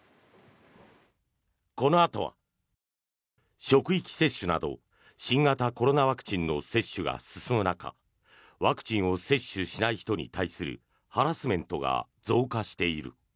このあとは職域接種など新型コロナワクチンの接種が進む中ワクチンを接種しない人に対するハラスメントが増加している。